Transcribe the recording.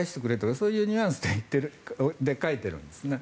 そういうニュアンスで書いているんですね。